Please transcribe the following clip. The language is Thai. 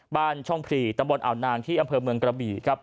บ้านช่องพรีตำบลอ่าวนางที่อำเภอเมืองกระบี่ครับ